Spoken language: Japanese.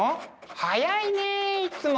早いねいつも。